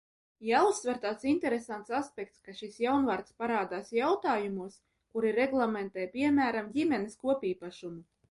Jāuzsver tāds interesants aspekts, ka šis jaunvārds parādās jautājumos, kuri reglamentē, piemēram, ģimenes kopīpašumu.